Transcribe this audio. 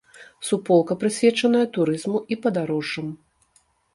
Суполка прысвечаная турызму і падарожжам.